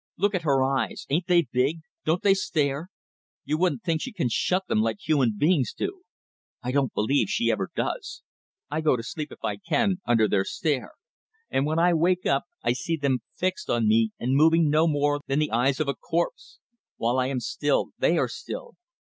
Look at her eyes. Ain't they big? Don't they stare? You wouldn't think she can shut them like human beings do. I don't believe she ever does. I go to sleep, if I can, under their stare, and when I wake up I see them fixed on me and moving no more than the eyes of a corpse. While I am still they are still.